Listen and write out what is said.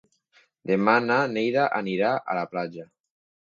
Demà na Neida anirà a la platja.